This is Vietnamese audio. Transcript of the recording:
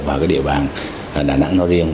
vào địa bàn đà nẵng nó riêng